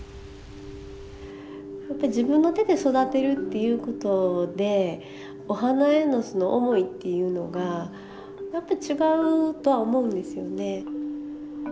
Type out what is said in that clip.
やっぱ自分の手で育てるっていうことでお花への思いっていうのがやっぱ違うとは思うんですよね。